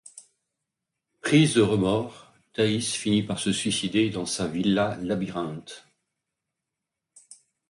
Prise de remords, Thaïs finit par se suicider dans sa villa-labyrinthe.